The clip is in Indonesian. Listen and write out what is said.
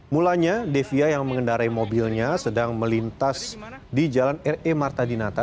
mulanya devia yang mengendarai mobilnya sedang melintas di jalan re marta dinata